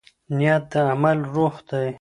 نیت د عمل روح دی.